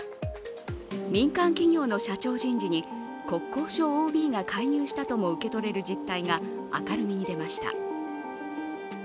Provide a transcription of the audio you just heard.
民間企業の社長人事に国交省ＯＢが介入したとも受け取れる実態が明るみに出ました。